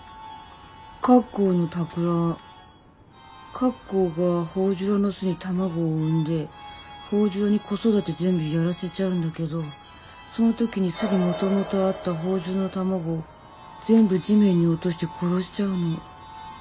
カッコウがホオジロの巣に卵を産んでホオジロに子育て全部やらせちゃうんだけどその時に巣にもともとあったホオジロの卵を全部地面に落として殺しちゃうの。